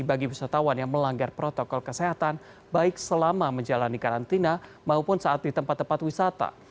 bagi wisatawan yang melanggar protokol kesehatan baik selama menjalani karantina maupun saat di tempat tempat wisata